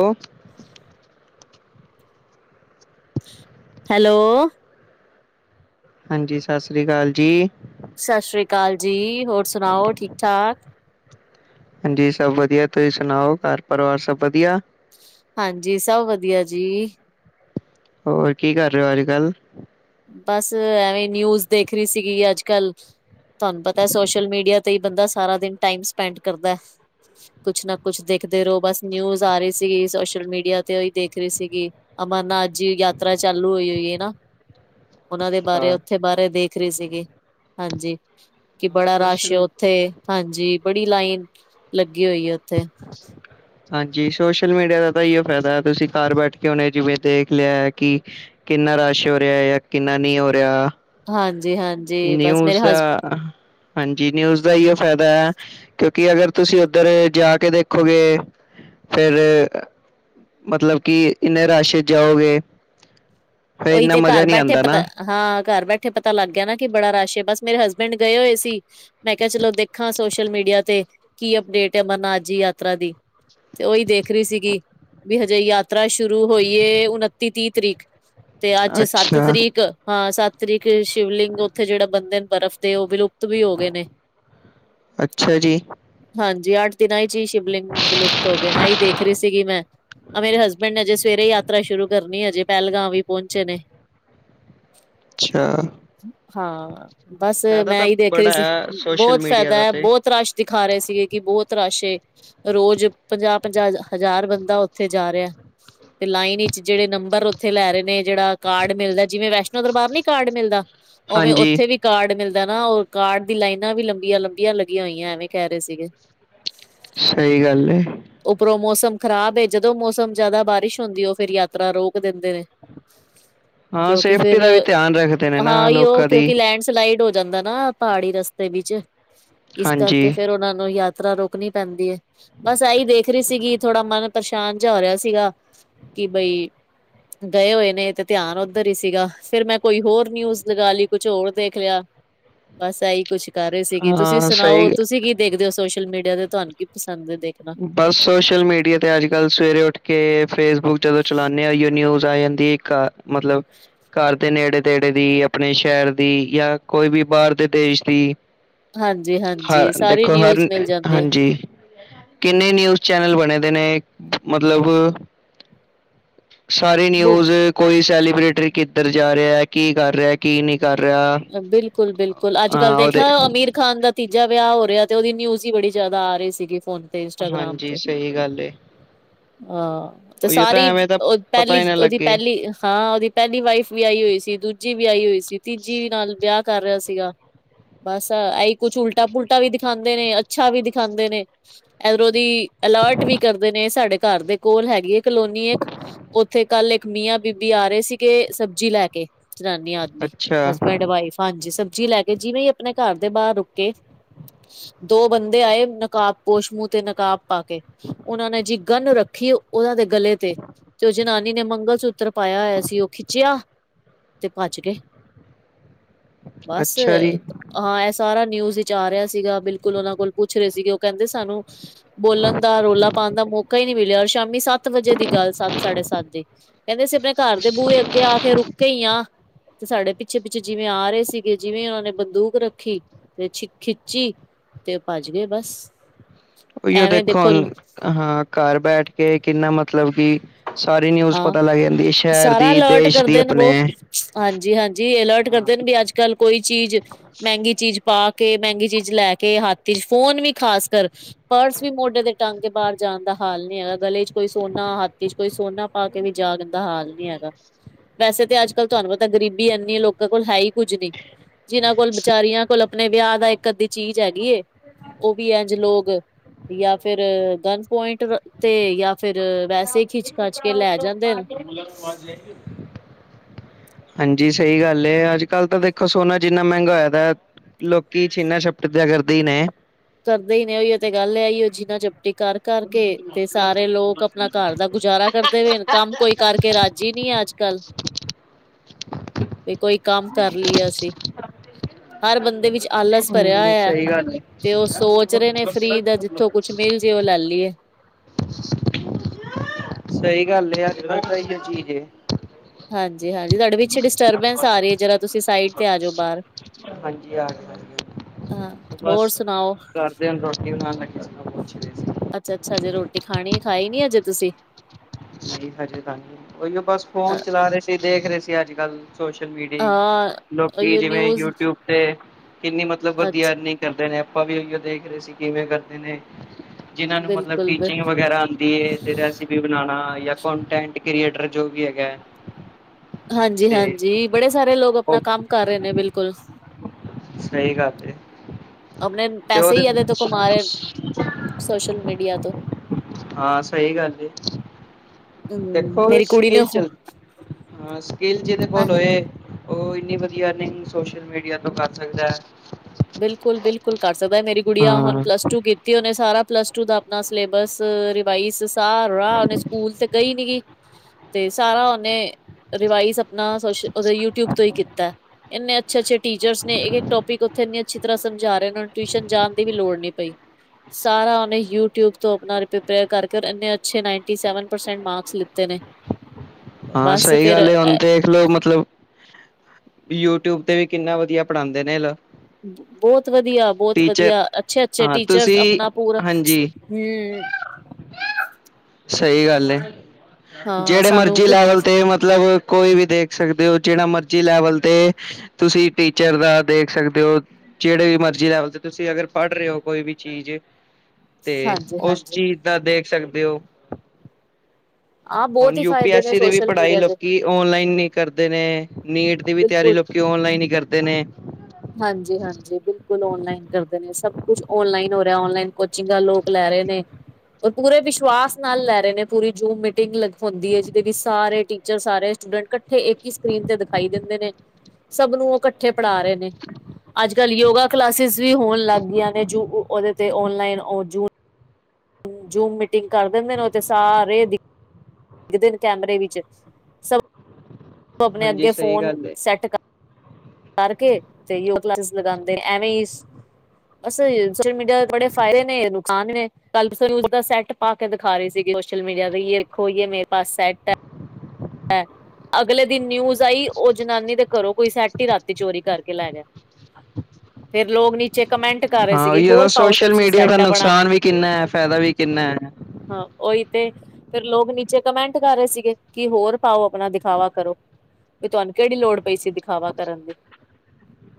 ਉਹ ਹੈਲੋ ਹਾਂਜੀ ਸਤਿ ਸ੍ਰੀ ਅਕਾਲ ਜੀ। ਸਤਿ ਸ਼੍ਰੀ ਅਕਾਲ ਜੀ ਹੋਰ ਸੁਣਾਓ ਠੀਕ ਠਾਕ। ਹਾਂਜੀ ਸਭ ਵਧੀਆ ਤੁਸੀਂ ਸੁਣਾਓ ਘਰ ਪਰਿਵਾਰ ਸਭ ਵਧੀਆ। ਹਾਂਜੀ ਸਭ ਵਧੀਆ ਜੀ। ਹੋਰ ਕੀ ਕਰ ਰਹੇ ਹੋ ਅੱਜ ਕੱਲ੍ਹ ਬਸ ਐਵੇਂ ਨਿਊਜ਼ ਦੇਖ ਰਹੀ ਸੀਗੀ ਅੱਜ ਕੱਲ ਤੁਹਾਨੂੰ ਪਤਾ ਸੋਸ਼ਲ ਮੀਡੀਆ ਤੇ ਹੀ ਬੰਦਾ ਸਾਰਾ ਦਿਨ ਟਾਈਮ ਸਪੈਂਡ ਕਰਦਾ ਹੈ ਕੁਛ ਨਾ ਕੁਛ ਦੇਖਦੇ ਰਹੋ ਬਸ ਨਿਊਜ਼ ਆ ਰਹੀ ਸੀਗੀ ਸੋਸ਼ਲ ਮੀਡੀਆ ਤੇ ਹੀ ਦੇਖ ਰਹੀ ਸੀਗੀ ਅਮਰ ਨਾਲ ਅੱਜ ਯਾਤਰਾ ਚਾਲੂ ਹੋਈ ਹੋਈ ਹੈ ਨਾ ਉਹਨਾਂ ਦੇ ਬਾਰੇ ਉੱਥੇ ਬਾਰੇ ਦੇਖ ਰਹੀ ਸੀਗੀ ਹਾਂਜੀ। ਕਿ ਬੜਾ ਰਸ਼ ਹੈ ਸੋਸ਼ਲ ਉੱਥੇ ਹਾਂਜੀ ਬੜੀ ਲਾਈਨ ਲੱਗੀ ਹੋਈ ਹੈ ਉੱਥੇ ਅੱਛਾ ਹਾਂਜੀ ਸੋਸ਼ਲ ਮੀਡੀਆ ਦਾ ਤਾਂ ਹੀ ਫਾਇਦਾ ਹੈ ਤੁਸੀਂ ਘਰ ਬੈਠ ਕੇ ਹਨੇ ਜਿਵੇਂ ਦੇਖ ਲਿਆ ਹੈ ਕਿ ਕਿੰਨਾ ਰਸ਼ ਹੋ ਰਿਹਾ ਜਾਂ ਕਿੰਨਾ ਨਹੀਂ ਹੋ ਰਿਹਾ ਹਾਂਜੀ ਹਾਂ ਨਊਸ ਦਾ ਹਾਂਜੀ ਨਿਊਜ਼ ਦਾ ਹੀਓ ਫਾਇਦਾ ਹੈ ਕਿਉਂਕਿ ਅਗਰ ਤੁਸੀਂ ਉੱਧਰ ਜਾ ਕੇ ਦੇਖੋਗੇ ਫਿਰ ਮਤਲਬ ਕਿ ਇੰਨੇ ਰਸ਼ ਜਾਓਗੇ ਫੇਿਰ ਉਹੀ ਇੰਨਾ ਤੇ ਮਜ਼ਾ ਘਰ ਨਹੀਂੀ ਬੈਠੇ ਆਉਂਦਾ ਨਾ ਪਤਾ ਹਾਂ ਘਰ ਬੈਠੇ ਪਤਾ ਲੱਗ ਗਿਆ ਨਾ ਕਿ ਬੜਾ ਰਸ਼ ਬਸ ਮੇਰੇ ਹਸਬੈਂਡ ਗਏ ਹੋਏ ਸੀ ਮੈਂ ਕਿਹਾ ਚਲੋ ਦੇਖਾਂ ਸੋਸ਼ਲ ਮੀਡੀਆ ਤੇ ਕੀ ਅਪਡੇਟ ਹੈ ਅਮਰਨਾਥ ਜੀ ਯਾਤਰਾ ਦੀ ਤੇ ਉਹੀ ਦੇਖ ਰਹੀ ਸੀਗੀ ਵੀ ਹਜੇ ਯਾਤਰਾ ਸ਼ੁਰੂ ਹੋਈ ਉਨੱਤੀ ਤੀਹ ਤਰੀਕ ਤੇ ਅੱਜ ਸੱਤ ਅੱਛਾ ਤਰੀਕ ਹਾਂ ਸੱਤ ਤਰੀਕ ਸ਼ਿਵਲਿੰਗ ਉੱਥੇ ਜਿਹੜਾ ਬੰਦੇ ਨੇ ਬਰਫ਼ ਦੇ ਉਹ ਬਿਲ ਵੀ ਹੋ ਗਏ ਨੇ ਅੱਛਾ ਜੀ ਹਾਂਜੀ ਅੱਠ ਦਿਨਾਂ ਚ ਹੀ ਸ਼ਿਵਲਿੰਗ ਵਿਲੁਪਤ ਹੋ ਗਏ ਏਹੀ ਦੇਖ ਰਹੀ ਸੀਗੀ ਮੈਂ ਆ ਮੇਰੇ ਹਸਬੈਂਡ ਨੇ ਅਜੇ ਸਵੇਰੇ ਯਾਤਰਾ ਸ਼ੁਰੂ ਕਰਨੀ ਹਜੇ ਪਹਿਲਗਾਂਵ ਵੀ ਪਹੁੰਚੇ ਨੇ ਅੱਛਾ ਹਾਂ ਬਸ ਫਾਇਦਾ ਮੈਂ ਤਾਂ ਇਹੀ ਦੇਖ ਰਹੀ ਬੜਾ ਸੀ ਹੈ ਸੋਸ਼ਲ ਬਹੁਤ ਮੀਡੀਆ ਫਾਇਦਾ ਦਾ ਹੈ ਤੇ। ਬਹੁਤ ਰਸ਼ ਦਿਖਾ ਰਹੇ ਸੀਗੇ ਕਿ ਬਹੁਤ ਰਸ਼ ਏ ਰੋਜ਼ ਪੰਜਾਹ ਪੰਜਾਹ ਹਜ਼ਾਰ ਬੰਦਾ ਉੱਥੇ ਜਾ ਰਿਹਾ ਤੇ ਲਾਈਨ ਵਿਚ ਜਿਹੜੇ ਨੰਬਰ ਉੱਥੇ ਲੈ ਰਹੇ ਨੇ ਜਿਹੜਾ ਕਾਰਡ ਮਿਲਦਾ ਜਿਵੇਂ ਵੈਸ਼ਨੋ ਦਰਬਾਰ ਨੀ ਕਾਰਡ ਮਿਲਦਾ ਉਵੇਂ ਹਾਂਜੀ ਉੱਥੇ ਵੀ ਕਾਰਡ ਮਿਲਦਾ ਨਾ ਉਹ ਕਾਰਡ ਦੀ ਲਾਈਨਾਂ ਵੀ ਲੰਬੀਆਂ ਲੰਬੀਆਂ ਲੱਗੀਆਂ ਹੋਈਆਂ ਐਵੇਂ ਕਹਿ ਰਹੇ ਸੀਗੇ ਸਹੀ ਗੱਲ ਏ ਉਪਰੋਂ ਮੌਸਮ ਖ਼ਰਾਬ ਜਦੋਂ ਮੌਸਮ ਜ਼ਿਆਦਾ ਬਾਰਿਸ਼ ਹੁੰਦੀ ਉਹ ਫੇਿਰ ਯਾਤਰਾ ਰੋਕ ਦਿੰਦੇ ਨੇ ਹਾਂ ਕਿਉਂਕਿ ਸੇਫਟੀ ਫਿਰ ਦਾ ਵੀ ਧਿਆਨ ਰੱਖਦੇ ਨੇ ਨਾ ਹਾਂ ਹੀ ਉਹ ਲੋਕਾਂ ਦੀ ਕਿਉਂਕਿ ਲੈਂਡਸਲਾਈਡ ਹੋ ਜਾਂਦਾ ਨਾ ਪਹਾੜੀ ਰਸਤੇ ਵਿੱਚ ਇਸ ਹਾਂਜੀ। ਕਰਕੇ ਫੇਿਰ ਉਹਨਾਂ ਨੂੰ ਯਾਦ ਯਾ ਤ੍ਹਾਂ ਰੋਕਣੀ ਪੈਂਦੀ ਹੈ ਬਸ ਇਹੀ ਦੇਖ ਰਹੀ ਸੀਗੀ ਥੋੜਾ ਮਨ ਪਰੇਸ਼ਾਨ ਜਾਿਹਾ ਹੋ ਰਿਹਾ ਸੀਗਾ ਕਿ ਬਈ ਗਏ ਹੋਏ ਨੇ ਤੇ ਧਿਆਨ ਉੱਧਰ ਹੀ ਸੀਗਾ ਫਿਰ ਮੈਂ ਕੋਈ ਹੋਰ ਨਿਊਜ਼ ਲਗਾ ਲਈ ਕੁਛ ਹੋਰ ਦੇਖ ਲਿਆ। ਬਸ ਇਹੀ ਕੁਛ ਕਰ ਰਹੇ ਸੀਗੇ ਤੁਸੀਂ ਹਾਂ ਸੁਣਾਓ ਸਹੀ ਤੁਸੀਂ ਕੀ ਦੇਖਦੇ ਹੋ ਸੋਸ਼ਲ ਮੀਡੀਆ ਤੇ ਤੁਹਾਨੂੰ ਕੀ ਪਸੰਦ ਦੇਖ ਬਸ ਸੋਸ਼ਲ ਮੀਡੀਆ 'ਤੇ ਅੱਜ-ਕੱਲ੍ਹ ਸਵੇਰੇ ਉੱਠ ਕੇ ਫੇਸਬੁੱਕ ਜਦੋਂ ਚਲਾਉਂਦੇ ਹਾ ਯਾ ਨਿਊਜ਼ ਆ ਜਾਂਦੀ ਏ ਇੱਕ ਮਤਲਬ ਘਰ ਦੇ ਨੇੜੇ ਪਿੰਡ ਦੀ ਆਪਣੇ ਸ਼ਹਿਰ ਦੀ ਯਾ ਕੋਈ ਵੀ ਬਾਹਰ ਦੇ ਦੇਸ਼ ਦੀ ਹਰ ਹਾਂਜੀ-ਹਾਂਜੀ ਸਾਰੀ ਦੇਖੋ ਨਿਊਜ਼ ਹਰ ਮਿਲ ਜਾਂਦੀ ਹੈ ਹਾਂਜੀ ਕਿੰਨੇ ਨਿਊਜ਼ ਚੈਨਲ ਬਣੇ ਦੇ ਨੇ ਮਤਲਬ ਸਾਰੀ ਬ ਨਿਊਜ, ਕੋਈ ਸੈਲੀਬ੍ਰਿਟੀ ਕਿੱਧਰ ਜਾ ਰਿਹਾ, ਕੀ ਕਰ ਰਿਹਾ, ਕੀ ਨਹੀ। ਕਰ ਰਿਹਾ। ਬਿਲਕੁਲ-ਬਿਲਕੁਲ, ਅੱਜ-ਕੱਲ ਹਾਂ ਉਹਦੇ ਦੇਖਿਆ ਅਮੀਰ ਖਾਨ ਦਾ ਤੀਜਾ ਵਿਆ ਹੋ ਰਿਆ ਤੇ ਓਦੀ ਨਿਊਜ਼ ਈ ਬੜੀ ਜੈਦਾ ਆ ਰਈ ਸੀਗੀ ਫੋਨ ਤੇ ਇੰਸਟਾਗ੍ਰਾਮ ਹਾਂਜੀ ਤੇ, ਸਹੀ ਗੱਲ ਏ, ਅਹ। ਤੇ ਉਹੀਓ ਤਾਂ ਸਾਰੀ ਐਵੇਂ ਤਾਂ ਓ ਪਤਾ ਹੀ ਪੈਲੀ, ਨਾ ਓਦੀ ਲੱਗੇ। ਪੈਲੀ, ਹਾਂ ਓਦੀ ਪੈਲੀ ਵਾਈਫ ਵੀ ਆਈ ਹੋਈ ਸੀ, ਦੂਜੀ ਵੀ ਆਈ ਹੋਈ ਸੀ, ਤੀਜੀ ਵੀ ਨਾਲ ਵਿਆ ਕਰ ਰਿਆ ਸੀਗਾ। ਬਸ ਏਈ ਕੁਛ ਉਲਟਾ-ਪੁਲਟਾ ਵੀ ਦਿਖਾੰਦੇ ਨੇ, ਅੱਛਾ ਵੀ ਦਿਖਾੰਦੇ ਨੇ। ਏਧਰੋਂ ਦੀ ਅਲਰਟ ਵੀ ਕਰਦੇ ਨੇ, ਸਾਡੇ ਘਰ ਦੇ ਕੋਲ ਹੈਗੀ ਏ ਕਲੋਨੀ ਏਕ ਓਥੇ ਕੱਲ ਇੱਕ ਮੀਆਂ ਬੀਬੀ ਆ ਰਏ ਸੀਗੇ ਸਬਜੀ ਲੈ ਕੇ ਜਨਾਨੀ-ਆਦਮੀ, ਅੱਛਾ, ਹਸਬੈਂਡ -ਵਾਈਫ ਹਾਂਜੀ ਸਬਜ਼ੀ ਲੈ ਕੇ ਜਿਵੇਂ ਈ ਆਪਣੇ ਘਰ ਦੇ ਬਾਰ ਰੁਕੇ ਦੋ ਬੰਦੇ ਆਏ ਨਕਾਬ ਪੋਸ਼, ਮੂਹ ਤੇ ਨਕਾਬ ਪਾ ਕੇ ਓਨਾਂ ਨੇ ਜੀ ਗੰਨ ਰੱਖੀ ਓਨਾਂ ਦੇ ਗਲੇ ਤੇ ਤੇ ਓ ਜਨਾਨੀ ਨੇ ਮੰਗਲ-ਸੂਤਰ ਪਾਇਆ ਹੋਇਆ ਸੀ ਓ ਖਿੱਚਿਆ, ਤੇ ਪੱਜਗੇ। ਬਸ ਅੱਛਾ ਜੀ, ਆ ਐ ਸਾਰਾ ਨਿਊਜ਼ ਚ ਆ ਰਿਆ ਸੀਗਾ ਬਿਲਕੁਲ ਓਨਾਂ ਕੋਲ ਪੁੱਛ ਰਏ ਸੀਗੇ ਓ ਕੈਂਦੇ ਸਾਨੂੰ ਬੋਲਣ ਦਾ, ਰੌਲਾ ਪਾਣ ਦਾ ਮੌਕਾ ਈ ਨਈ ਮਿਲੇਆ, ਔਰ ਸ਼ਾਮੀ ਸਾਤ ਸੱਤ ਵਜੇ ਦੀ ਗੱਲ ਸਾਤ ਸਾਢੇ ਸਾਤ ਦੀ, ਕਹੰਦੇ ਅਸੀ ਆਪਣੇ ਕਾਰ ਦੇ ਬੂਏ ਅੱਗੇ ਆ ਕੇ ਰੁਕੇ ਈ ਆ ਤੇ ਸਾਡੇ ਤੇ ਪਿੱਛੇ-ਪਿੱਛੇ ਜਿਵੇਂ ਆ ਰਏ ਸੀਗੇ, ਜਿਵੇਂ ਉਹਨਾਂ ਨੇ ਬੰਦੂਕ ਰੱਖੀ, ਤੇ ਛੀ ਖਿੱਚੀ ਤੇ ਉਹ ਭੱਜ ਗਏ ਬਸ। ਉਹੀਓ ਦੇਖੋ ਹੁਣ ਹਾਂ ਘਰ ਬੈਠ ਕੇ ਕਿੰਨਾ ਮਤਲਬ ਕਿ‌। ਸਾਰੀ ਨਿਊਜ਼ ਹਾਂ ਪਤਾ ਲੱਗ ਜਾਂਦੀ ਏ ਸ਼ੈਰ ਸਾਰਾ ਦੀ, ਅਲਰਟ ਦੇਸ਼ ਦੀ ਕਰਦੇ ਨੇ ਅਪਣੇ। ਵੋ ਕੱਲ ਕੋਈ ਚੀਜ਼, ਮਹਿੰਗੀ ਚੀਜ਼ ਪਾ ਕੇ, ਮਹਿੰਗੀ ਚੀਜ਼ ਲੈ ਕੇ ਹੱਥ ਤੇ ਫੋਨ ਵੀ ਖਾਸ ਕਰ ਪਰਸ ਵੀ ਮੋਢੇ ਦੇ ਟੰਗ ਕੇ ਬਾਰ ਜਾਣ ਦਾ ਹਾਲ ਨੀ ਹੈਗਾ ਗਲੇ ਚ ਕੋਈ ਸੋਨਾ, ਹੱਥ ਚ ਕੋਈ ਸੋਨਾ ਕਿਤੇ ਵੀ ਜਾਣ ਦਾ ਹਾਲ ਨੀ ਹੈਗਾ। ਵੈਸੇ ਤੇ ਅੱਜ -ਕੱਲ੍ਹ ਤੁਹਾਨੂੰ ਪਤਾ ਗਰੀਬੀ ਇੰਨੀ ਅ ਲੋਕਾਂ ਕੋਲ ਹੈ ਹੀ ਕੁੱਝ ਨਹੀਂ, ਜਿਨਾਂ ਕੋਲ ਬਚਾਰੀਆਂ ਕੋਲ ਨਹੀ, ਵਿਆਹ ਦਾ ਇੱਕ -ਅੱਧੀ ਚੀਜ਼ ਹੈਗੀ ਏ ਉਹ ਵੀ ਏੰਜ ਲੋਗ, ਯਾ ਫਿਰ ਗਨਸ ਪੁਆਇੰਟ ਰ ਤੇ ਯਾ ਫਿਰ ਵੈਸੇ ਖਿੱਚ ਖਾਚ [unintelligible] ਹਮ ਮੁਲਾ ਕੇ ਪਾਸ ਜਾਏਂਗੇ? ਹਾਂਜੀ ਸਹੀ ਗੱਲ ਹੈ, ਅੱਜ ਕੱਲ ਤਾਂ ਦੇਖੋ ਸੋਨਾ ਜਿੰਨਾ ਮਹਿੰਗਾ ਹੋਇਆ ਪਿਆ। ਲੋਕੀ ਛੀਨਾ ਛਪਟ ਜੇਆ ਕਰਦੇ ਈ ਨੇ। ਕਰਦੇ ਹੀ ਨੇ ਓਹੀਓ ਤੇ ਗੱਲ ਹੈ ਉਹ ਸ਼ੀਨਾ ਚਪਟੀ। ਕਰ ਕਰਕੇ ਤੇ ਸਾਰੇ ਲੋਕ ਆਪਣਾ ਘਰ ਦਾ ਗੁਜ਼ਾਰਾ ਕਰਦੇ ਹੋਏ ਕੰਮ ਕੋਈ ਕਰਕੇ। ਕੇ ਰੱਜ ਹੀ ਨਹੀਂ ਅੱਜ ਕੱਲ੍ਹ। ਵੀ ਕੋਈ ਕੰਮ ਕਰ ਲਈਏ ਅਸੀਂ, ਹਰ ਬੰਦੇ ਵਿੱਚ ਆਲਸ ਭਰਿਆ ਹੂੰ, ਹੋਆ ਐ। ਸਹੀ ਗੱਲ ਏ। ਤੇ ਉਹ ਸੋਚ ਰਏ ਨੇ, ਫਰੀ ਦਾ ਜਿੱਥੋਂ ਕੁਛ ਮਿਲ ਜੇ ਉਹ ਲੈ ਲਈਏ। ਸਈ ਗੱਲ ਏ, ਅਜ ਕਲ ਏਈਓ ਚੀਜ਼ ਏ। ਹਾਂਜੀ-ਹਾਂਜੀ ਤੁਹਾਡੇ ਪਿੱਛੇ ਡਿਸਟਰਬੈਂਸ ਆ ਰਈ ਏ, ਜਰਾ ਤੁਸੀਂ ਸਾਈਡ ਤੇ ਆ ਜਾਓ ਬਾਰ। ਹਾਂਜੀ ਆ [unintelligible] ਹਾਂ ਹੋਰ ਸੁਣਾਓ? ਤੇ ਹੁਣ ਰੋਟੀ ਖਾਣ ਲੱਗਾ ਸੀ ਕੁੱਛ। ਅੱਛਾ ਅੱਛਾ ਜੇ ਰੋਟੀ ਖਾਣੀ ਖਾਈ ਨੀ ਅਜੇ ਤੁਸੀਂ? ਨਹੀਂ ਹਜੇ ਗ ਉਹੀਓ ਬਸ ਫੋਨ ਚਲਾ ਰਹੇ ਸੀ ਦੇਖ ਰਹੇ ਸੀ ਅੱਜ ਕੱਲ। ਸੋਸ਼ਲ ਮੀਡੀਆ ਹੀ ਹਾਂ ਲੋਕ ਉਹੀਓ ਜਿਵੇਂ ਨਿਊਜ਼ ਯੂਟਿਊਬ 'ਤੇ ਕਿੰਨੀ ਮਤਲਬ ਅੱਛਾ ਵਰਧਆਨੀ ਕਰਦੇ ਨੇ ਆਪਾਂ ਵੀ ਉਹੀਓ ਦੇਖ ਰਹੇ ਸੀ ਕਿਵੇਂ ਕਰਦੇ ਨੇ ਜਿਨਾਂ ਨੂੰ ਮਤਲਬ ਬਿਲਕੁਲ ਬਿਲ ਟੀਚਿੰਗ ਵਗੈਰਾ ਰੈਸਪੀ ਬਣਾ ਜਾਂਟਟ ਕ੍ਰੀਏਟਰ ਜੋ ਵੀ ਹੈਗਾ। ਹਾਂਜੀ ਤੇ ਹਾਂਜੀ ਬੜੇ ਸਾਰੇ ਲੋਕ ਆਪਣਾ ਉਹ ਕੰਮ ਕਰ ਰਹੇ ਨੇ ਬਿਲਕੁਲ। ਸਹੀ ਗੱਲ ਤੇ। ਆਪਣੇ ਤੇ ਪੈਸੇ ਉਹਦੇ ਹੀ ਇਹਦੇ ਤੋਂ ਕਮਾ ਰਹੇ ਸੋਸ਼ਲ ਮੀਡੀਆ ਤੋਂ ਹਾਂ ਸਹੀ ਗੱਲ ਜੀ। ਹਮ ਦੇਖੋ ਮੇਰੀ ਕੁੜੀ ਨੇ ਸਕਿੱਲ ਚੱਲਦੀ ਹਾਂ ਸਕਿੱਲ ਜਿਹਦੇ ਹਾਂ ਕੋਲ ਹੋਏ ਉਹ ਇੰਨੀ ਵਧੀਆ ਅਰਨਿੰਗ ਸੋਸ਼ਲ ਮੀਡੀਆ ਤੋਂ ਕਰ ਸਕਦਾ ਹੈ। ਬਿਲਕੁਲ ਬਿਲਕੁਲ ਕਰ ਸਕਦਾ ਮੇਰੀ ਗੁੜੀ ਹੁਣ ਹਾਂ। ਪਲੱਸ ਟੂ ਤੇ ਉਹਨੇ ਸਾਰਾ ਪਲੱਸ ਟੂ ਦਾ ਆਪਣਾ ਸਿਲੇਬਸ ਬਾਈ ਸ ਸਾਹਾਹ ਨੇ ਸਕੂਲ ਤੇ ਗਈ ਨੀ ਗ ਤੇ ਸਾਰਾ ਓਨੇ ਰਿਵਾਈਜ਼ ਆਪਣਾ ਸ ਯੂਟਿਊਬ ਤੋਂ ਹੀ ਕੀਤਾ। ਇੰਨੇ ਅੱਛੇ ਅੱਛੇ ਟੀਚਰ ਨੇ ਇਕ ਟੋਪਿਕ ਉੱਥੇ ਇੰਨੀ ਅੱਛੀ ਤਰ੍ਹਾਂ ਸਮਝਾ ਇਹਨਾਂ ਨੂੰ ਟਿਊਸ਼ਨ ਜਾਣ ਦੀ ਵੀ ਲੋੜ ਨੀ ਪਈ। ਸਾਰਾ ਉਹਨੇ ਯੂਟਿਊਬ ਤੋਂ ਆਪਣਾਪੇਅਰ ਕਰਕੇਨੇ ਅਛੇ ਨਸਟ ਮਾਰਕਸ ਲਤੇ ਨੇ। ਹਾਂ ਬਸ ਸਹੀ ਫੇਰ ਗੱਲ ਹੁਣ ਤੇ ਲੋਕ ਮਤਲਬ ਯੂਟਿਊਬ ਤੇ ਵੀ ਕਿੰਨਾ ਵਧੀਆ ਪੜ੍ਹਾਉਂਦੇ ਨੇ ਲੋਕ। ਬਹੁਤ ਵਧੀਆ ਬਹੁਤ ਵਧੀਆ ਅੱਛੇ ਅੱਛੇ ਹਾਂ ਤੁਸੀਂ ਟੀਚਰਸ ਆਪਣਾ ਪੂਰਾ ਹਾਂਜੀ ਹਮ ਸਹੀ ਗੱਲ ਹਾਂ ਜਿਹੜੇ ਸਾਨੂੰ ਮਰਜ਼ੀ ਕਿ ਲੈਵਲ ਤੇ ਮਤਲ ਮਤਲਬ ਕੋਈ ਵੀ ਦੇਖ ਸਕਦੇ ਹੋ ਜਿਹੜਾ ਮਰਜੀ ਲੈਵਲ ਤੇ ਤੁਸੀਂ ਟੀਚਰ ਦਾ ਦੇਖ ਸਕਦੇ ਹੋ। ਜਿਹੜੇ ਵੀ ਮਰਜ਼ੀ ਲੈਵਲ ਤੇ ਤੁਸੀਂ ਅਗਰ ਪੜ੍ਹ ਰਹੇ ਹੋ ਕੋਈ ਵੀ ਚੀਜ਼। ਤੇ ਹਾਂਜੀ ਉਸ ਹਾਂਜੀ ਚੀਜ਼ ਦਾ ਦੇਖ ਸਕਦੇ ਹੋ। ਆਹ ਹੁਣ ਬਹੁਤ ਹੀ ਯੂ ਪੀ ਫਾਇਦੇ ਐੱਸ ਨੇ ਦੀ ਵੀ ਸੋਸ਼ਲ ਪੜ੍ਹਾਈ ਮੀਡੀਆ ਦੇ ਲੋਕੀ ਔਨਲਾਈਨ ਹੀ ਕਰਦੇ ਨੇ ਨੀਟ ਦੀ ਵੀ ਤਿਆਰੀ ਬਿਲਕੁਲ ਲੋਕੀ ਓਨਲਾਈਨ ਹੀ ਕਰਦੇ ਨੇ। ਹਾਂਜੀ ਹਾਂਜੀ ਬਿਲਕੁਲ ਔਨਲਾਈਨ ਕਰਦੇ ਨੇ ਸਭ ਕੁਛ ਓਨਲਾਈਨ ਹੋ ਰਿਹਾ ਓਨਲਾਈਨ ਕੋਚਿੰਗਾਂ ਲੋਕ ਲੈ ਰਹੇ ਨੇ ਉਹ ਪੂਰੇ ਵਿਸ਼ਵਾਸ ਨਾਲ ਲੈ ਰਹੇ ਨੇ ਪੂਰੀ ਜੂਮ ਮੀਟਿੰਗ ਹਉਦੀ ਹੈ ਜਿਹਦੇ ਵਿੱਚ ਸਾਰੇ ਟੀ ਸਾਰੇ ਸਟੂਡੈਂਟ ਇਕੱਠੇ ਇੱਕ ਹੀ ਸਕਰੀਨ ਤੇ ਦਿਖਾਈ ਦਿੰਦੇ ਨੇ ਸਭ ਨੂੰ ਉਹ ਇਕੱਠੇ ਪੜ੍ਹਾ ਰਹੇ ਨੇ। ਅੱਜ ਕੱਲ ਯੋਗਾ ਕਲਾਸਿਸ ਵੀ ਹੋਣ ਲੱਗ ਗਈਆਂ ਨੇੂ ਉਹਦੇ ਤੇ ਓਨਲਾਈਨ ਜੂਨ ਜੂਮ ਮੀਟਿੰਗ ਕਰ ਦਿੰਦੇ ਨੇ ਉਹਥ ਸਾਰੇ ਦਿਖਦੇ ਨੇ ਕੈਮਰੇ ਵਿੱਚ। ਸਭ ਆਪਣੇ ਹਾਂਜੀ ਅੱਗੇ ਸਹੀ ਫੋਨ ਗੱਲ ਏ, ਸੈੱਟ ਕਰ ਕਰਕੇ ਤੇਗ ਕਲਾਸ ਲਗਾਉਦੇ ਐਵੇਂ ਹੀ ਅਸ ਸੋਸ਼ਲ ਮੀਡੀਆ ੋੜੇ ਫਾਇਦੇ ਨਹੀਂ ਹੈ ਲੋਕੁਕਾਨ ਨੇ। ਕਲਪ ਸਰੂਜ ਦਾ ਸੈਟ ਪਾ ਕੇ ਦਿਖਾ ਰਹੀ ਸੀਗੀ ਸੋਸ਼ਲ ਮੀਡੀਆ ਤੇ ਦੇਖੋ ਮੇਰੇ ਪਾਸ ਸੈੱ [inaudible] ਅਗਲੇ ਦਿਨ ਨਿਊਜ਼ ਆਈ ਉਹ ਜਨਾਨੀ ਦੇ ਘਰੋਂ ਕੋਈ ਸਠ ਹੀ ਰਾਤੀ ਚੋਰੀ ਕਰਕੇ ਲੈ ਗਿਆ। ਅੱ। ਫੇਰ ਲੋਕ ਨੀਚੇ ਕਮੈਂਟ ਕਰ ਰਹੇ ਹਾਂ ਸੀਗੇ ਉਹੀ ਹੋਰ ਪਾਓ ਸੋਸ਼ਲ ਤੁਸੀਂ ਮੀਡੀਆ ਦਾ ਸੈੱਟ ਆਪਣਾ ਨੁਕਸਾਨ ਵੀ ਕਿੰਨਾ ਹੈ ਫਾਇਦਾ ਵੀ ਕਿੰਨਾ ਹੈ। ਹਾਂ ਉਓਹੀ ਤੇ ਫਿਰ ਲੋਕ ਨੀਚੇ ਕਮੈਂਟ ਕਰ ਰਹੇ ਸੀਗੇ ਕਿ ਹੋਰ ਪਾਓ ਆਪਣਾ ਦਿਖਾਵਾ ਕਰੋ ਵੀ ਤੁਹਾਨੂੰ ਕਿਹੜੀ ਲੋੜ ਪਈ ਸੀ ਦਿਖਾਵਾ ਕਰਨ ਦੀ।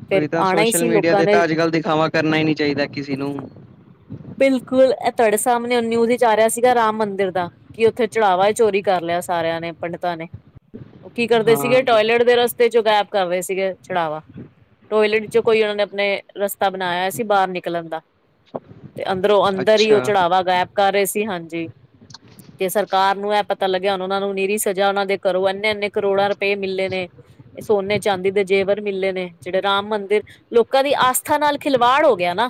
ਫੇਰ ਉਹੀ ਤਾਂ ਆਣਾ ਹੀ ਸੋਸ਼ਲ ਸੀ ਮੀਡੀਆ ਲੋਕਾਂ ਤੇ ਤਾਂ ਨੇ ਅੱਜ ਕੱਲ੍ਹ ਦਿਖਾਵਾ ਕਰਨਾ ਹੀ ਨੀ ਚਾਹੀਦਾ ਕਿਸੇ ਨੂੰ। ਬਿਲਕੁਲ ਇਹ ਤੁਹਾਡੇ ਸਾਹਮਣੇ ਉਹ ਨਿਊਜ਼ ਚ ਆ ਰਿਹਾ ਸੀਗਾ ਰਾਮ ਮੰਦਿਰ ਦਾ ਕਿ ਉੱਥੇ ਚੜਾਵਾ ਚੋਰੀ ਕਰ ਲਿਆ ਸਾਰਿਆਂ ਨੇ ਪੰਡਿਤਾਂ ਨੇ। ਕੀ ਕਰਦੇ ਸੀਗੇ ਹਾਂ, ਟੋਇਲੇਟ ਦੇ ਰਸਤੇ ਚੋਂ ਗਾਇਬ ਕਰ ਰਹੇ ਸੀਗੇ ਚੜਾਵਾ ਟੋਇਲੇਟ ਚ ਕੋਈ ਉਹਨਾਂ ਨੇ ਆਪਣੇ ਰਸਤਾ ਬਣਾਇਆ ਸੀ ਬਾਹਰ ਨਿਕਲਣ ਦਾ ਤੇ ਅੰਦਰੋਂ ਅੰਦਰ ਹੀ ਉਹ ਅੱਛਾ ਚੜਾਵਾ ਗਾਇਬ ਕਰ ਰਹੇ ਸੀ ਹਾਂਜੀ ਤੇ ਸਰਕਾਰ ਨੂੰ ਇਹ ਪਤਾ ਲੱਗਿਆ ਹੁਣ ਉਹਨਾਂ ਨੂੰ ਨੀਰੀ ਸਜ਼ਾ ਉਹਨਾਂ ਦੇ ਘਰੋਂ ਇੰਨੇ-ਇੰਨੇ ਕਰੋੜਾਂ ਰੁਪਏ ਮਿਲੇ ਨੇ ਇਹ ਸੋਨੇ ਚਾਂਦੀ ਦੇ ਜੇਵਰ ਮਿਲੇ ਨੇ ਜਿਹੜੇ ਰਾਮ ਮੰਦਿਰ ਲੋਕਾਂ ਦੀ ਆਸਥਾ ਨਾਲ ਖਿਲਵਾੜ ਹੋ ਗਿਆ ਨਾ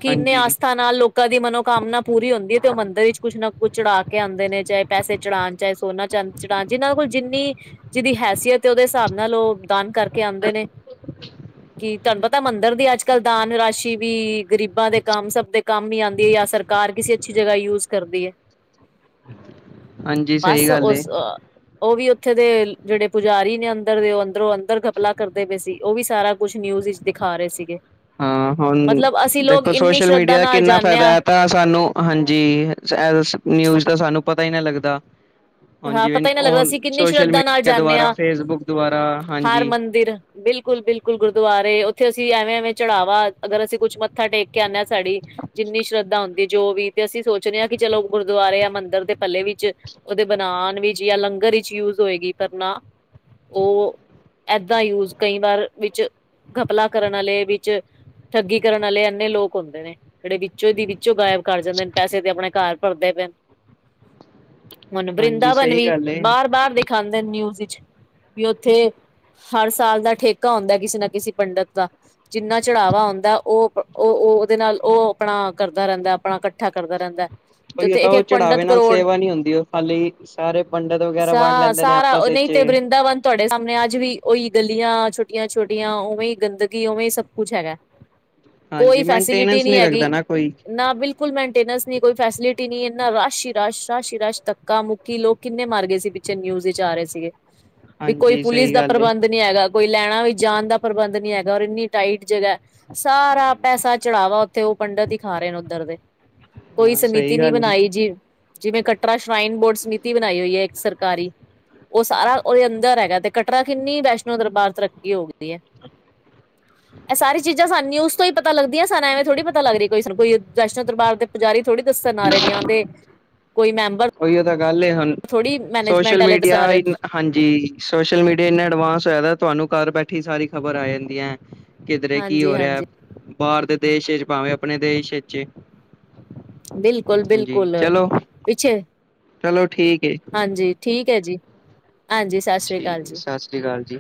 ਕਿੰਨੇ ਹਾਂਜੀ। ਆਸਥਾ ਨਾਲ ਲੋਕ ਕਦੀ ਮਨੋਕਾਮਨਾ ਪੂਰੀ ਹੁੰਦੀ ਹੈ ਤੇ ਉਹ ਮੰਦਿਰ ਵਿੱਚ ਕੁਛ ਨਾ ਕੁਛ ਚੜਾ ਕੇ ਆਂਦੇ ਨੇ ਚਾਹੇ ਪੈਸੇ ਚੜਾਉਣ ਚਾਹੇ ਸੋਨਾ ਚਾਂ ੜ ਜਿਹਨਾਂ ਕੋਲ ਜਿੰਨੀ ਜਿਹਦੀ ਹੈਸੀਅਤ ਉਹਦੇ ਹਿਸਾਬ ਨਾਲ ਉਹ ਦਾਨ ਕਰਕੇ ਆਉਂਦੇ ਨੇ ਕਿ ਤੁਹਾਨੂੰ ਪਤਾ ਮੰਦ ਇੱਰ ਦੀ ਅੱਜ ਕੱਲ੍ਹ ਦਾਨ ਰਾਸ਼ੀ ਵੀ ਗ਼ਰੀਬੀ ਦੇ ਕੰਮ ਸਭ ਦੇ ਕੰਮ ਹੀ ਆਉਂਦੀ ਹੈ ਜਾਂ ਸਰਕਾਰ ਕਿਸੇ ਅੱਛੀ ਜਗ੍ਹਾ ਯੂਜ ਕਰਦੀ ਹੈ ਹਾਂਜੀ ਸਹੀ ਬੱਸ ਗੱਲ ਏ, ਉਸ ਅ ਉਹ ਵੀ ਉੱਥੇ ਦੇ ਜਿਹੜੇ ਪੁਜਾਰੀ ਨੇ ਅੰਦਰ ਦੇ ਉਹ ਅੰਦਰੋਂ ਅੰਦਰ ਘਪਲਾ ਕਰਦੇ ਪਏ ਸੀ ਉਹ ਵੀ ਸਾਰਾ ਕੁਛ ਨਿਊਜ਼ ਵਿੱਚ ਦਿਖਾ ਰਹੇ ਸੀਗੇ ਹਾਂ ਹੁਣ ਮਤਲਬ ਅਸੀਂ ਲੋਕ ਦੇਖੋ ਇੰਨੀ ਸੋਸ਼ਲ ਮੀਡੀਆ ਸ਼ਰਧਾ ਦਾ ਨਾਲ ਕਿੰਨਾ ਜਾਂਦੇ ਫਾਇਦਾ ਹਾਂ ਹੈ ਤਾਂ ਸਾਨੂੰ ਹਾਂਜੀ, ਨਿਊਜ਼ ਦਾ ਸਾਨੂੰ ਪਤਾ ਹੀ ਨਾ ਲੱਗਦਾ ਹਾਂ ਹਾਂਜੀ ਪਤਾ ਹੀ ਨਾ ਲੱਗਦਾ ਸੀ ਕਿੰਨੀ ਸੋਸ਼ਲ ਸ਼ਰਧਾ ਨਾਲ ਮੀਡੀਆ ਜਾਂਦੇ ਦੁਆਰਾ ਹਾਂ ਫੇਸਬੁੱਕ ਦੁਆਰਾ ਹਾਂਜੀ ਬਿਲਕੁਲ-ਬਿਲਕੁਲ ਗੁਰਦੁਆਰੇ ਉੱਥੇ ਅਸੀਂ ਐਵੇਂ-ਐਵੇਂ ਚੜਾਵਾ ਅਗਰ ਅਸੀਂ ਕੁੱਛ ਮੱਥਾ ਟੇਕ ਕੇ ਆਉਂਦੇ ਸਾਡੀ ਜਿੰਨੀ ਸ਼ਰਧਾ ਹੁੰਦੀ ਜੋ ਵੀ ਤੇ ਅਸੀਂ ਸੋਚਦੇ ਹਾਂ, ਕਿ ਚਲੋ ਗੁਰਦੁਆਰੇ ਆ ਮੰਦਿਰ ਦੇ ਪੱਲੇ ਵਿੱਚ ਉਹਦੇ ਬਣਾਉਣ ਵਿੱਚ ਲੰਗਰ ਵਿੱਚ ਯੂਜ ਹੋਏਗੀ, ਪਰ ਨਾ ਉਹ ਏਦਾਂ ਯੂਜ ਕਈ ਵਾਰ ਵਿੱਚ ਘਪਲਾ ਕਰਨ ਵਾਲੇ ਵਿੱਚ ਠੱਗੀ ਕਰਨ ਵਾਲੇ ਇੰਨੇ ਲੋਕ ਹੁੰਦੇ ਨੇ ਜਿਹੜੇ ਵਿੱਚੋਂ ਦੀ ਵਿੱਚੋਂ ਗਾਇਬ ਕਰ ਜਾਂਦੇ, ਨੇ ਪੈਸੇ ਤੇ ਆਪਣੇ ਘਰ ਭਰਦੇ ਪਏਨ ਹੁਨ ਹਾਂਜੀ ਵਰਿੰਦਾਵਨ ਸਹੀ ਵੀ ਗੱਲ ਏ। ਬਾਰ-ਬਾਰ ਦਿਖਾਉਂਦੇ, ਨਿਊਜ਼ ਵਿੱਚ ਵੀ ਉੱਥੇ ਹਰ ਸਾਲ ਦਾ ਠੇਕਾ ਹੁੰਦਾ, ਕਿਸੇ ਨਾ ਕਿਸੇ ਪੰਡਿਤ ਦਾ ਜਿੰਨਾ ਚੜਾਵਾ ਹੁੰਦਾ ਉਹ-ਉਹ ਉਹਦੇ ਨਾਲ ਉਹ ਆਪਣਾ ਕਰਦਾ ਰਹਿੰਦਾ, ਆਪਣਾ ਇਕੱਠਾ ਕਰਦਾ ਰਹਿੰਦਾ ਤੇ ਬਈ ਉਹ ਉੱਥੇ ਤਾਂ ਇੱਕ ਉਹ ਇੱਕ ਚੜਾਵੇ ਪੰਡਿਤ ਨਾਲ ਕਰੋੜ ਸੇਵਾ ਨਹੀਂ ਹੁੰਦੀ ਉਹ ਖਾਲੀ ਸਾਰੇ ਪੰਡਿਤ ਵਗੈਰਾ ਬੰਣ ਸਾ ਲੈਂਦੇ ਨੇ ਸਾਰਾ ਆਪਸ ਵਿੱਚ ਨਹੀਂ ਹੀ ਤੇ ਵਰਿੰਦਾਵਨ ਤੁਹਾਡੇ ਸਾਹਮਣੇ ਅੱਜ ਵੀ ਉਹੀ ਗਲੀਆਂ ਛੋਟੀਆਂ-ਛੋਟੀਆਂ, ਉਵੇਂ ਹੀ ਗੰਦਗੀ ਉਵੇਂ ਹੀ ਸਭ ਕੁੱਛ ਹੈਗਾ ਹਾਂਜੀ ਕੋਈ ਫੈਸਿਲਿਟੀ ਮੇਨਟੇਨੈਂਸ ਨਹੀਂ ਰੱਖਦਾ, ਹੈਗੀ ਨਾ ਕੋਈ ਨਾ ਬਿਲਕੁਲ ਮੇਨਟੇਨੈਂਸ ਨਹੀਂ ਕੋਈ, ਫੈਸਿਲਿਟੀ ਨਹੀਂ ਇੰਨਾ ਰਸ਼ ਹੀ ਰਸ਼ ਰਸ਼ ਹੀ ਰਸ਼ ਤਾ ਕ ਮੁੱਕੀ ਲੋਕ ਕਿੰਨੇ ਮਰ ਗਏ ਸੀ, ਪਿੱਛੇ ਨਿਊਜ਼ ਵਿੱਚ ਆ ਰਹੇ ਸੀਗੇ ਵੀ ਕੋਈ ਹਾਂਜੀ ਪੁਲਿਸ ਸਹੀ ਦਾ ਗੱਲ ਏ। ਪ੍ਰਬੰਧ ਨਹੀਂ ਹੈਗਾ ਕੋਈ ਲੈਣਾ ਵੀ ਜਾਣ ਦਾ ਪ੍ਰਬੰਧ ਨਹੀਂ ਹੈਗਾ, ਔਰ ਇੰਨੀ ਟਾਈਟ ਜਗ੍ਹਾ ਸਾਰਾ ਪੈਸਾ ਚੜਾਵਾ, ਉੱਥੇ ਉਹ ਪੰਡਿਤ ਹੀ ਖਾ ਰਹੇ ਨੇ ਉੱਧਰ ਦੇ ਕੋਈ ਹਾਂ ਸਮਿਤੀ ਸਹੀ ਨੀ ਗੱਲ ਏ ਬਣਾਈ ਜੀ, ਜਿਵੇਂ ਕੱਟਰਾ ਸ਼ਰਾਈਨ ਬੋਰਡ ਸਮਿਤੀ ਬਣਾਈ ਹੋਈ ਹੈ, ਇੱਕ ਸਰਕਾਰੀ ਉਹ ਸਾਰਾ ਉਹਦੇ ਅੰਦਰ ਹੈਗਾ ਤੇ ਕਟਰਾ ਕਿੰਨੀ ਵੈਸ਼ਨੋ ਦਰਬਾਰ ਤਰੱਕੀ ਹੋ ਗਈ ਹੈ ਇਹ ਸਾਰੀ ਚੀਜ਼ਾਂ ਸਾਨ ਨਯੂਸ ਕੋਈ ਪਤਾ ਲੱਗਦੀ ਹੈ, ਸਨ ਐਵੇ ਥੋੜੀ ਪਤਾ ਲੱਗਰੀ ਕੋਈ ਕੋਈ ਵੈਸ਼ਨੋ ਦਰਬਾਰ ਦੇ ਪੁਜਾਰੀ ਥੋੜੀ ਦੱਸਣ ਆ ਰਹੇ ਨੇ, ਉਹ ਦੇ ਕੋਈ ਮੈਂਬਰ ਉਹੀਓ ਤਾਂ ਗੱਲ ਏ ਹੁਣ, ਥੋੜ੍ਹੀ ਸੋਸ਼ਲ ਮੈਨੇਜਮੈਂਟ ਵਾਲੇ ਦੱਸਣ ਮੀਡੀਆ ਆ ਰਹੇ ਨੇ ਹਾਂਜੀ, ਸੋਸ਼ਲ ਮੀਡੀਆ ਇੰਨਾ ਐਡਵਾਂਸ ਹੋਇਆ, ਤੁਹਾਨੂੰ ਘਰ ਬੈਠੀ ਸਾਰੀ ਖ਼ਬਰ ਆ ਜਾਂਦੀਆਂ ਹੈ। ਕਿਧਰੇ ਕੀ ਹਾਂਜੀ ਹੋ ਰਿਹਾ, ਹਾਂਜੀ ਬਾਹਰ ਦੇ ਦੇਸ਼ ਵਿਚ ਪਾਵੇਂ ਆਪਣੇ ਦੇਸ਼ ਚ ਏ ਬਿਲਕੁਲ-ਬਿਲਕੁਲ ਪਿੱਛੇ ਚਲੋ ਠੀਕ ਏ ਹਾਂਜੀ, ਠੀਕ ਹੈ ਜੀ ਹਾਂਜੀ ਸਤਿ ਸ੍ਰੀ ਠੀਕ ਅਕਾਲ ਜੀ। ਸਤਿ ਸ਼੍ਰੀ ਅਕਾਲ ਜੀ